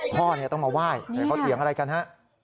พ่อต้องมาไหว้เดี๋ยวเขาเหยียงอะไรกันฮะ